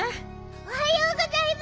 おはようございます！